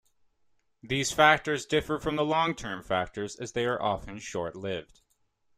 These factors differ from the long-term factors as they are often short-lived.